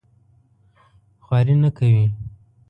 خواري نه کوي.